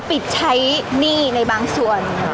พี่ตอบได้แค่นี้จริงค่ะ